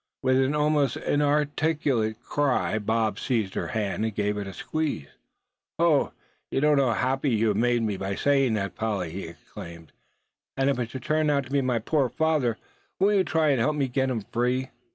With an almost inarticulate cry Bob seized her hand, and gave it a squeeze. "Oh! you don't know how happy you've made me by saying that, Polly!" he exclaimed. "And if it should turn out to be my poor father, won't you try and help me get him free?